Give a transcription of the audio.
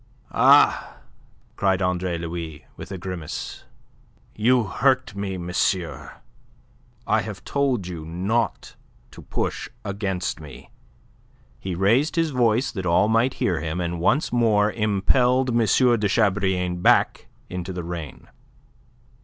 "Ah!" cried Andre Louis, with a grimace. "You hurt me, monsieur. I have told you not to push against me." He raised his voice that all might hear him, and once more impelled M. de Chabrillane back into the rain.